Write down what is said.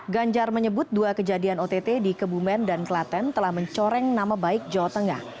ganjar menyebut dua kejadian ott di kebumen dan klaten telah mencoreng nama baik jawa tengah